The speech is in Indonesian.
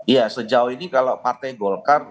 ya sejauh ini kalau partai golkar